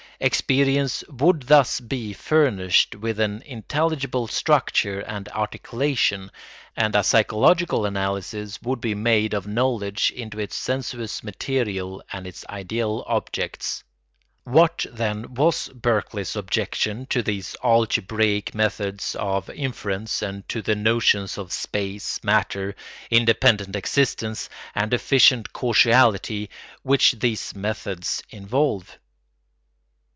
Experience would thus be furnished with an intelligible structure and articulation, and a psychological analysis would be made of knowledge into its sensuous material and its ideal objects. What, then, was Berkeley's objection to these algebraic methods of inference and to the notions of space, matter, independent existence, and efficient causality which these methods involve?